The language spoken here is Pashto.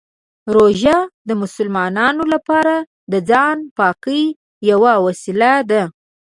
روژه د مسلمانانو لپاره د ځان پاکۍ یوه وسیله ده.